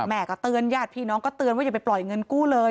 แม่ก็เตือนญาติพี่น้องก็เตือนว่าอย่าไปปล่อยเงินกู้เลย